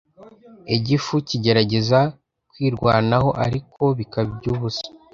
Igifu kigerageza kwirwanaho ariko bikaba iby’ubusa